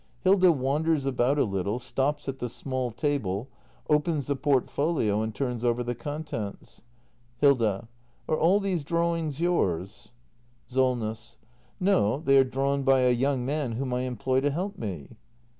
[Hilda wanders about a little, stops at the small table, opens the portfolio and turns over the contents. Hilda. Are all these drawings yours ? Solness. No, they are drawn by a young man whom I employ to help me.